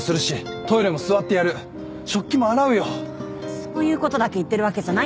そういうことだけ言ってるわけじゃない。